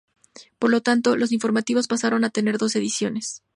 Por lo tanto, los informativos pasaron a tener dos ediciones.